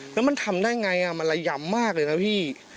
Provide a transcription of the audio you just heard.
แล้วมันทำได้ไงมันระยำมากเลยนะพี่